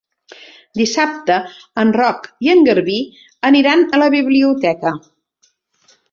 Dissabte en Roc i en Garbí aniran a la biblioteca.